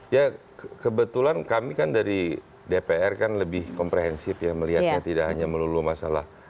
ya kebetulan kami kan dari dpr kan lebih komprehensif ya melihatnya tidak hanya melulu masalah